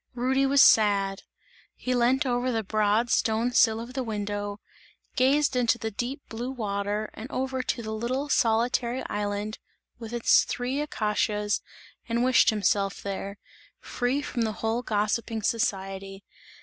Rudy was sad, he lent over the broad stone sill of the window, gazed into the deep blue water and over to the little solitary island with its three acacias and wished himself there, free from the whole gossiping society.